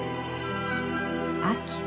秋。